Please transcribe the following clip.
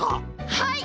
はい！